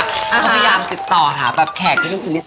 ก็พยายามกินต่อหาแขกที่รู้สึกดี